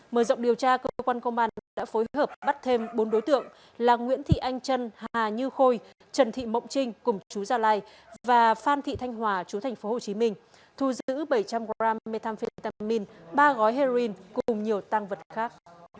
mở rộng điều tra cơ quan công an đã phối hợp bắt thêm bốn đối tượng là nguyễn thị anh trân hà như khôi trần thị mộng trinh cùng chú gia lai và phan thị thanh hòa chú tp hcm thu giữ bảy trăm linh g methamphetamine ba gói heroin cùng nhiều tăng vật khác